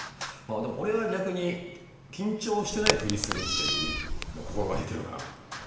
ああでも俺は逆に緊張してないふりするっていうの心掛けてるから。